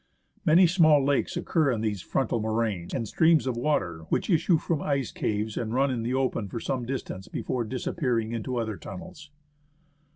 Many small lakes occur in these frontal moraines, and streams of water, which issue from ice caves and run in the open for some distance, before disappearing into other tunnels.